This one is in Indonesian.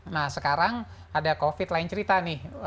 nah sekarang ada covid lain cerita nih